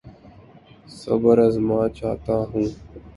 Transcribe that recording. صبر آزما چاہتا ہوں